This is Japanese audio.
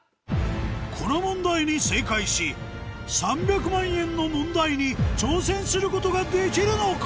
この問題に正解し３００万円の問題に挑戦することができるのか？